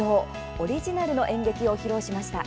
オリジナルの演劇を披露しました。